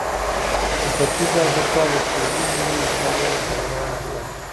د ختیځې افریقا د سوهیلي ژبې متل وایي جګړه ړنده ده.